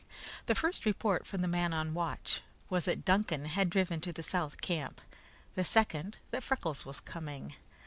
The first report from the man on watch was that Duncan had driven to the South camp; the second, that Freckles was coming.